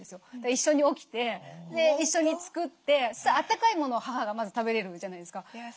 一緒に起きて一緒に作ってあったかいものを母がまず食べれるじゃないですか。